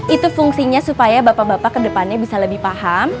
itu fungsinya supaya bapak bapak kedepannya bisa lebih paham